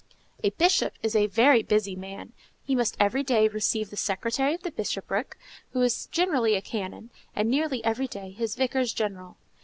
A Bishop is a very busy man: he must every day receive the secretary of the bishopric, who is generally a canon, and nearly every day his vicars general.